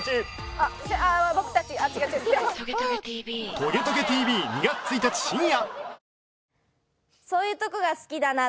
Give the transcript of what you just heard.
『トゲトゲ ＴＶ』２月１日深夜